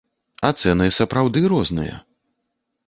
А цэны сапраўды розныя.